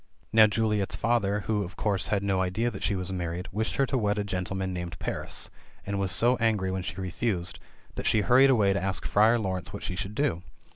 Now Juliet's father, who, of course, had no idea that she was mar ried, wished her to wed a gentleman named Paris, and was so angry when she refused, that she hurried away to ask Friar Laurence what she should do.